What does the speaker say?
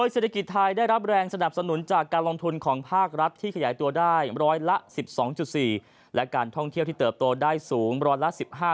เศรษฐกิจไทยได้รับแรงสนับสนุนจากการลงทุนของภาครัฐที่ขยายตัวได้ร้อยละ๑๒๔และการท่องเที่ยวที่เติบโตได้สูงร้อยละ๑๕